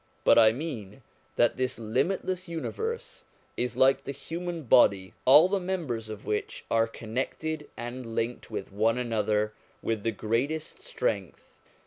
But I mean that this limitless universe is like the human body, all the members of which are connected and linked 28i POWERS AND CONDITIONS OF MAN 285 with one another with the greatest strength.